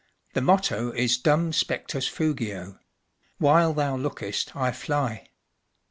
The motto is “ Dum spectas fugio ” (While thou lookest I fly).